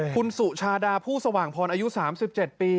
คุณสุชาดาผู้สว่างพรอายุ๓๗ปี